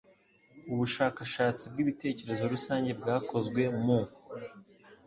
Ubushakashatsi bwibitekerezo rusange bwakozwe mu .